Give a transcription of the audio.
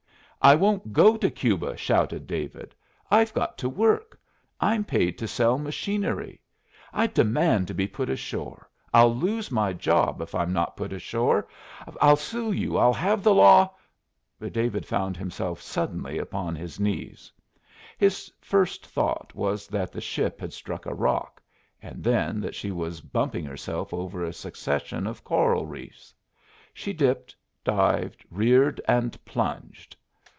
"I won't go to Cuba," shouted David. "I've got to work! I'm paid to sell machinery. I demand to be put ashore. I'll lose my job if I'm not put ashore. I'll sue you! I'll have the law " David found himself suddenly upon his knees. His first thought was that the ship had struck a rock, and then that she was bumping herself over a succession of coral reefs. She dipped, dived, reared, and plunged.